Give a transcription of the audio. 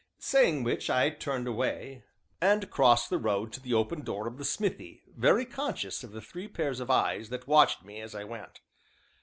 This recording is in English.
Saying which, I turned away, and crossed the road to the open door of the smithy, very conscious of the three pairs of eyes that watched me as I went.